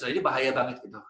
jadi bahaya banget gitu